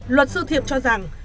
luật sư thiệp cho rằng